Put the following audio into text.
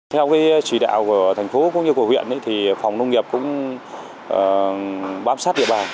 theo chỉ đạo của thành phố cũng như của huyện thì phòng nông nghiệp cũng bám sát địa bàn